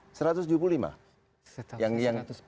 satu ratus empat puluh lebih kurang lagi